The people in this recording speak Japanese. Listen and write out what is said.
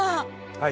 はい。